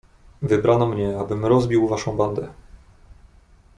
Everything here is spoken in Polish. "Wybrano mnie, abym rozbił waszą bandę."